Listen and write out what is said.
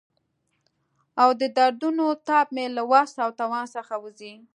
او د دردونو تاب مې له وس او توان څخه وځي.